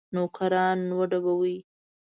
نوکران وډبوي.